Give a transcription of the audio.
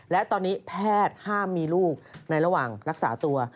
และตอนนี้แพทย์ห้ามมีลูกในระหว่างรักษาตัว